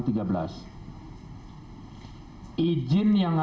izin yang ada ini adalah perizinan tangkap